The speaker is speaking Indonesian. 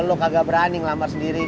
kalo kamu gak berani ngelamar sendiri